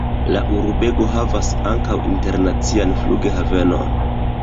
La urbego havas ankaŭ internacian flughavenon.